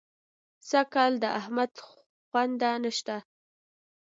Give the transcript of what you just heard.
سږکال د احمد خونده نه شته.